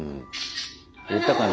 言ったかな？